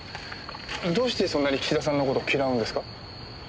どうしてそんなに岸田さんの事嫌うんですか？